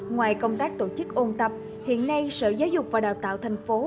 ngoài công tác tổ chức ôn tập hiện nay sở giáo dục và đào tạo thành phố